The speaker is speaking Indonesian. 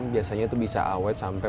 biasanya itu bisa awet sampai